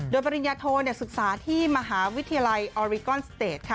โดยปริญญาโทศึกษาที่มหาวิทยาลัยออริกอนสเตจ